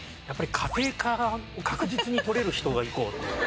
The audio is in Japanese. やっぱり家庭科を確実に取れる人がいこうと。